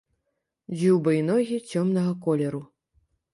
Дзюба і ногі цёмнага колеру.